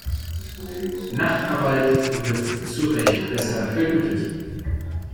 Nachtarbeit wird zurecht besser vergütet.